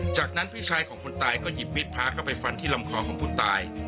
จากนั้นพี่ชายของคนตายก็หยิบมีดพระเข้าไปฟันที่ลำคอของผู้ตาย